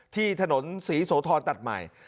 ที่ถนนศรีโสธรตัดใหม่